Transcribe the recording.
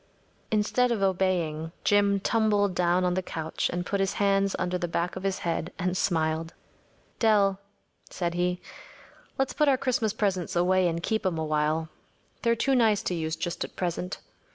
‚ÄĚ Instead of obeying, Jim tumbled down on the couch and put his hands under the back of his head and smiled. ‚ÄúDell,‚ÄĚ said he, “let’s put our Christmas presents away and keep ’em a while. They’re too nice to use just at present.